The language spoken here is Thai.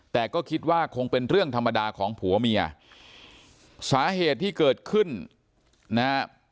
แต่ก็คิดว่าคงเป็นเรื่องธรรมดาของผัวเมียสาเหตุที่เกิดขึ้นนะฮะ